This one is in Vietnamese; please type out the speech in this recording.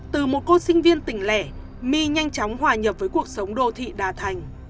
từ một cô sinh viên tỉnh lẻ my nhanh chóng hòa nhập với cuộc sống đô thị đà thành